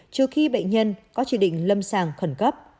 trừ khi bệnh nhân có chỉ định lâm sàng khẩn cấp